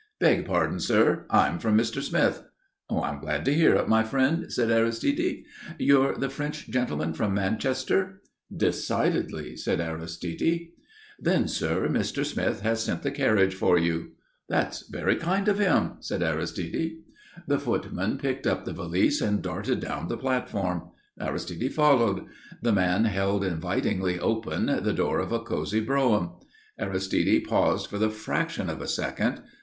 "Beg pardon, sir; I'm from Mr. Smith." "I'm glad to hear it, my friend," said Aristide. "You're the French gentleman from Manchester?" "Decidedly," said Aristide. [Illustration: STANDING ON THE ARRIVAL PLATFORM OF EUSTON STATION] "Then, sir, Mr. Smith has sent the carriage for you." "That's very kind of him," said Aristide. The footman picked up the valise and darted down the platform. Aristide followed. The footman held invitingly open the door of a cosy brougham. Aristide paused for the fraction of a second.